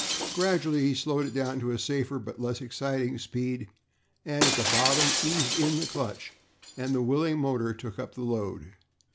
Gradually he slowed it down to a safer, but less exciting speed, and at the bottom eased in the clutch and the willing motor took up the load.